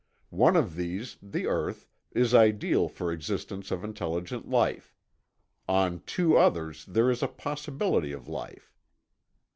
One of these, the Earth, is ideal for existence of intelligent life. On two others there is a possibility of life.